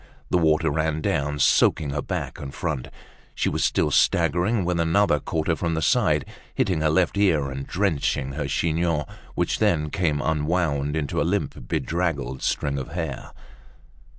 The water ran down, soaking her back and front. She was still staggering when another caught her from the side, hitting her left ear and drenching her chignon which then came unwound into a limp, bedraggled string of hair.